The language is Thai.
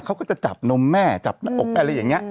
เขาก็จะจับนมแม่จับหน้าอกอะไรอย่างนี้